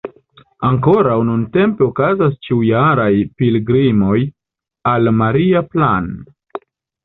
Ankoraŭ nuntempe okazas ĉiujaraj pilgrimoj al Maria Plan.